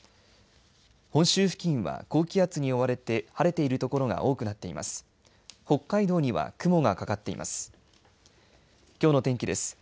本州付近は高気圧に覆われて晴れている所が多くなっています。